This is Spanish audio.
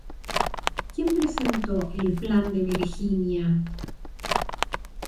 ¿Quién presentó el Plan de Virginia?